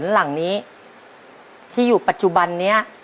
หลังนี้ที่อยู่ปัจจุบันนี้